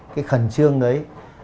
cái khẩn trương đấy